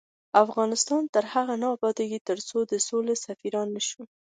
افغانستان تر هغو نه ابادیږي، ترڅو د سولې سفیران نشو.